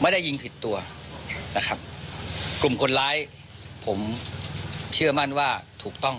ไม่ได้ยิงผิดตัวนะครับกลุ่มคนร้ายผมเชื่อมั่นว่าถูกต้อง